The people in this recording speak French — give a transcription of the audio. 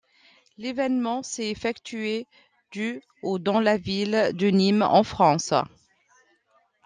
L'événement s'est effectué du au dans la ville de Nîmes en France.